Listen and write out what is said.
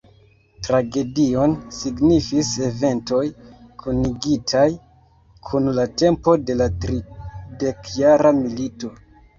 Tragedion signifis eventoj kunigitaj kun la tempo de la tridekjara milito.